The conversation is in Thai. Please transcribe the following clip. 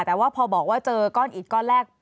แต่ว่าพอบอกว่าเจอก้อนอิดก้อนแรก